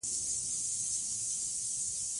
شاعر د ټولنې درد احساسوي.